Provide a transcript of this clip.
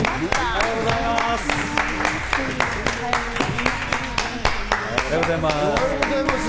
おはようございます！